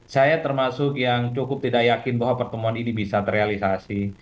saya termasuk yang cukup tidak yakin bahwa pertemuan ini bisa terrealisasi